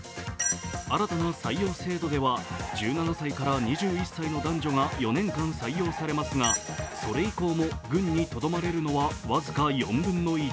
新たな採用制度では、１７歳から２１歳の男女が４年間採用されますが、それ以降も軍にとどまれるのは僅か４分の１。